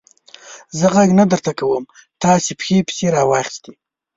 زه ږغ نه درته کوم؛ تا پښې پسې را واخيستې.